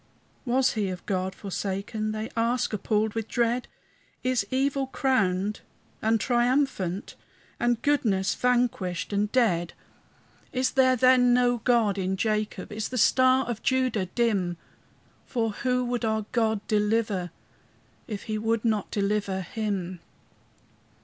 And was he of God forsaken? They ask, appalled with dread; Is evil crowned and triumphant, And goodness vanquished and dead? Is there, then, no God in Jacob? Is the star of Judah dim? For who would our God deliver, If he would not deliver him?